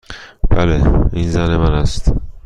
بله. این زن من است.